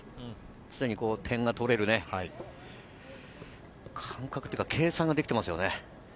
常に点が取れる感覚というか計算ができていますよね。